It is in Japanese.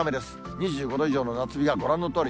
２５度以上の夏日がご覧のとおり。